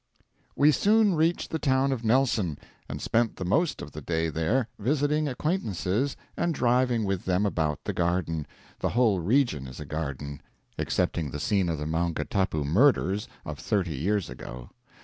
We soon reached the town of Nelson, and spent the most of the day there, visiting acquaintances and driving with them about the garden the whole region is a garden, excepting the scene of the "Maungatapu Murders," of thirty years ago.